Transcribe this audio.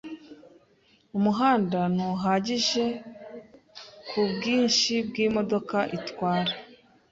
Umuhanda ntuhagije kubwinshi bwimodoka itwara.